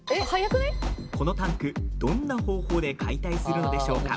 このタンク、どんな方法で解体するのでしょうか？